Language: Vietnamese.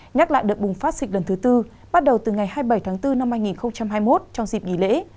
nhắc lại đợt bùng phát dịch lần thứ tư bắt đầu từ ngày hai mươi bảy tháng bốn năm hai nghìn hai mươi một trong dịp nghỉ lễ